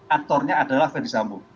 aktornya adalah verdi sambo